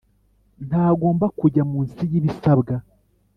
ntagomba kujya munsiyibisabwa